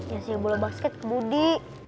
ngasih bola basket ke budi